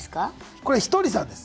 これひとりさんです。